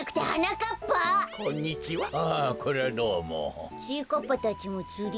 かっぱたちもつり？